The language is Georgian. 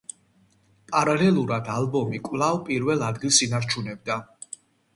პარალელურად ალბომი კვლავ პირველ ადგილს ინარჩუნებდა.